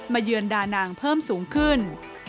เยือนดานางเพิ่มสูงขึ้น